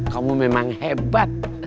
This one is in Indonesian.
kamu memang hebat